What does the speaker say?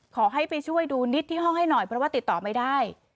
ขอให้ไปช่วยดูนิดที่ห้องให้หน่อยเพราะว่าติดต่อไม่ได้